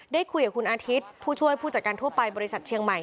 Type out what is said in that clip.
ได้คุยกับคุณอาทิตย์ผู้ช่วยผู้จัดการทั่วไปบริษัทเชียงใหม่